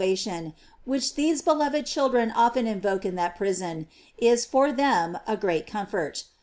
tion, which these beloved children often invoke in that prison, is for them a great comfort.